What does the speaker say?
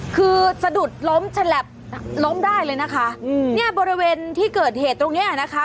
คือสะดุดล้มฉลับล้มได้เลยนะคะอืมเนี่ยบริเวณที่เกิดเหตุตรงเนี้ยนะคะ